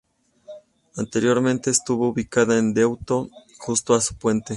Anteriormente estuvo ubicada en Deusto, junto a su puente.